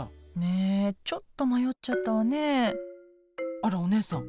あらお姉さん。